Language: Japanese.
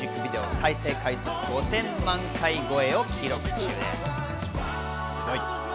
再生回数５０００万回超えを記録中です。